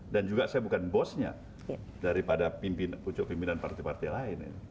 dan juga saya bukan bosnya daripada pimpinan pimpinan partai partai lain